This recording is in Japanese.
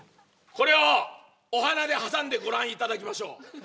これをお鼻に挟んでご覧いただきましょう。